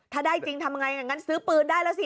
ถ้าได้จริงทำไงงั้นซื้อปืนได้แล้วสิ